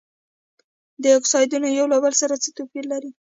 دا اکسایدونه یو له بل څخه توپیر لري.